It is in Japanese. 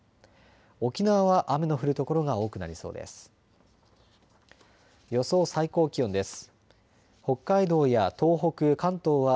沖縄は雨の降る所が多くなりそうです。